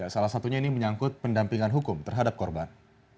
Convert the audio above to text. salah satunya ini menyangkut pendampingan hukum terhadap korban